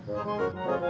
kamu juga dengerin